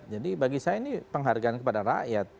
jadi bagi saya ini penghargaan kepada rakyat